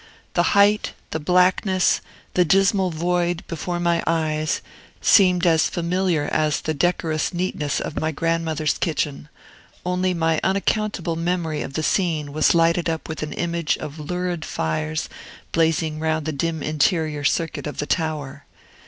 The height, the blackness, the dismal void, before my eyes, seemed as familiar as the decorous neatness of my grandmother's kitchen; only my unaccountable memory of the scene was lighted up with an image of lurid fires blazing all round the dim interior circuit of the tower.